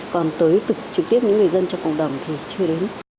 còn trực tiếp những người dân trong cộng đồng thì chưa đến